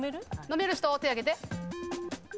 飲める人手挙げて。